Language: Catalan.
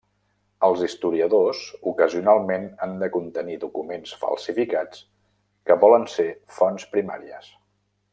Els historiadors ocasionalment han de contenir documents falsificats que volen ser fonts primàries.